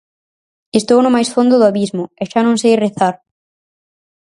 Estou no máis fondo do abismo; e xa non sei rezar.